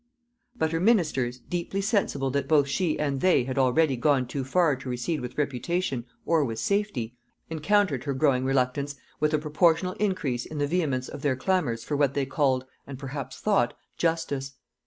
But her ministers, deeply sensible that both she and they had already gone too far to recede with reputation or with safety, encountered her growing reluctance with a proportional increase in the vehemence of their clamors for what they called, and perhaps thought, justice.